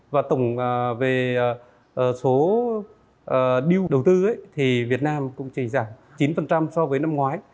và tổng về số đưu đầu tư thì việt nam cũng chỉ giảm chín so với năm ngoái